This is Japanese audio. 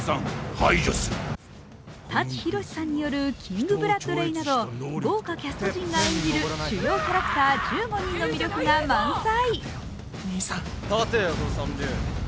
舘ひろしさんによるキング・ブラッドレイなど豪華キャスト陣が演じる主要キャラクター１５人の魅力が満載。